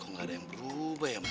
kok gak ada yang berubah ya mas